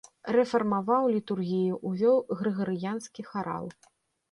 Рэфармаваў літургію, увёў грыгарыянскі харал.